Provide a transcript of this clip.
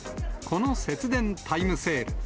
この節電タイムセール。